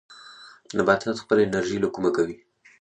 نباتات خپله انرژي له کومه کوي؟